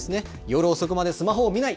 夜遅くまでスマホを見ない。